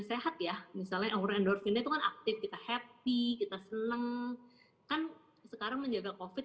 sehat ya misalnya orang endorfine aktif kita happy kita seneng kan sekarang menjaga profit